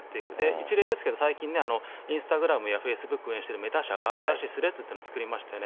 一例ですけど、最近、インスタグラムやフェイスブックを運営しているメタ社が新しいスレッズというのを作りましたよね。